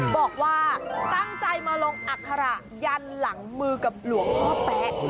บอกว่าตั้งใจมาลงอัคระยันหลังมือกับหลวงพ่อแป๊ะ